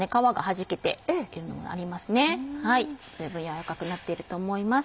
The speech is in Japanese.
十分軟らかくなっていると思います。